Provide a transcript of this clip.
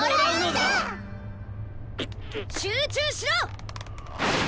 集中しろ！